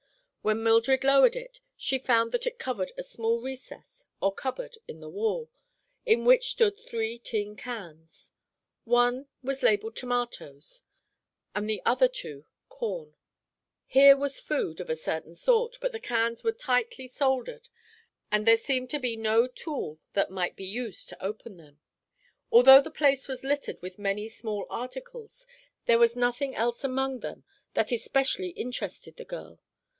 When Mildred lowered it she found that it covered a small recess or cupboard in the wall, in which stood three tin cans. One was labeled "tomatoes" and the other two "corn." Here was food, of a certain sort; but the cans were tightly soldered and there seemed to be no tool that might be used to open them. Although the place was littered with many small articles there was nothing else among them that especially interested the girl.